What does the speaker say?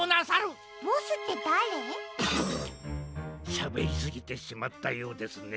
しゃべりすぎてしまったようですね。